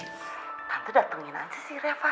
tante datengin aja si reva